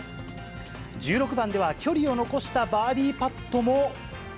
１６番では距離を残したバーディーパットも。